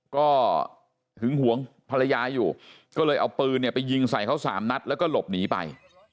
ก็หึงหวงภรรยาอยู่ก็เลยเอาปืนเนี่ยไปยิงใส่เขาสามนัดแล้วก็หลบหนีไป